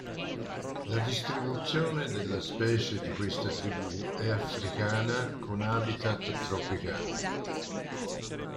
La distribuzione delle specie di questa tribù è africana con habitat tropicali.